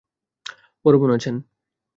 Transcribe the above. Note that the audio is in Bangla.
বড় বোন আছেন।